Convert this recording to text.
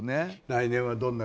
来年はどんな。